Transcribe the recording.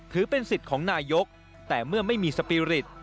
ถือเป็นสิทธิ์ของนายกแต่เมื่อไม่มีสปีริต